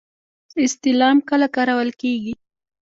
استعلام کله کارول کیږي؟